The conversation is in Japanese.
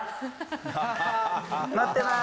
待ってまーす。